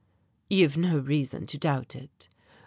"You've no reason to doubt it."